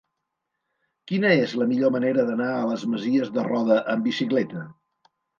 Quina és la millor manera d'anar a les Masies de Roda amb bicicleta?